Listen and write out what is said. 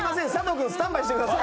君スタンバイしてください。